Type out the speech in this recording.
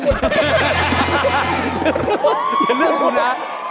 อย่าเลือกกูนะ